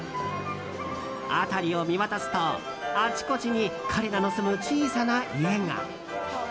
辺りを見渡すとあちこちに彼らの住む小さな家が。